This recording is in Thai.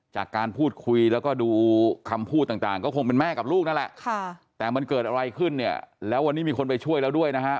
จากการพูดคุยแล้วก็ดูคำพูดต่างก็คงเป็นแม่กับลูกนั่นแหละแต่มันเกิดอะไรขึ้นเนี่ยแล้ววันนี้มีคนไปช่วยแล้วด้วยนะฮะ